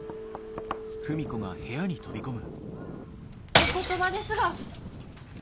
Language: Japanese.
お言葉ですが。